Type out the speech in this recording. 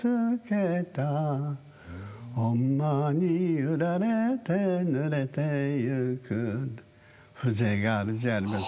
「お馬にゆられてぬれて行く」風情があるじゃありませんか。